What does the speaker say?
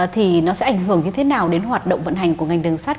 thì nó sẽ ảnh hưởng như thế nào đến hoạt động vận hành của ngành đường sắt